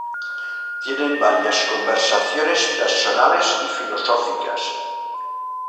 Tienen varias conversaciones personales y filosóficas.